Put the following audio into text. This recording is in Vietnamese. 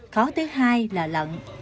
khó thứ hai là lận